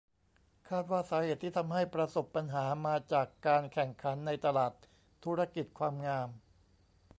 คาดว่าสาเหตุที่ทำให้ประสบปัญหามาจากการแข่งขันในตลาดธุรกิจความงาม